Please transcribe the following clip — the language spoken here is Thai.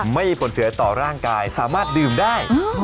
ไม่มีผลเสียต่อร่างกายสามารถดื่มได้